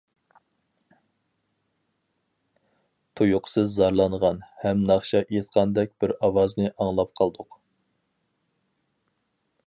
تۇيۇقسىز زارلانغان ھەم ناخشا ئېيتقاندەك بىر ئاۋازنى ئاڭلاپ قالدۇق.